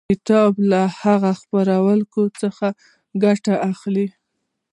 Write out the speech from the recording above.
د کتاب له هغو څپرکو څخه ګټه واخلئ